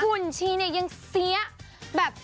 หุ่นชีเนี่ยยังเสียแบบ